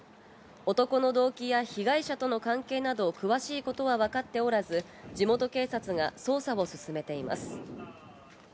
男の動機や被害者との関係など詳しいことはわかっておらず、地元警察が捜査を進めています。